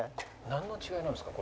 なんの違いなんですか？